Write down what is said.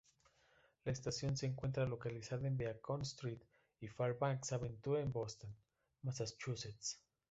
La estación se encuentra localizada en Beacon Street y Fairbanks Avenue en Boston, Massachusetts.